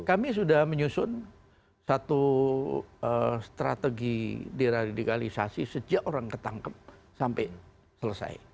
kami sudah menyusun satu strategi diradikalisasi sejak orang ketangkep sampai selesai